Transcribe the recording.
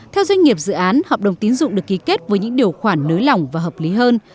theo doanh nghiệp dự án hợp đồng tín dụng được ký kết với những điều khoản nới lỏng và hợp lý hơn